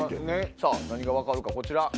さぁ何が分かるかこちら。